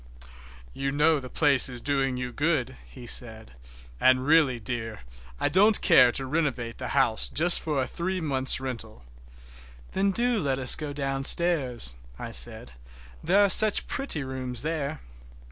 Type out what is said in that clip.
"You know the place is doing you good," he said, "and really, dear, I don't care to renovate the house just for a three months' rental." "Then do let us go downstairs," I said, "there are such pretty rooms there."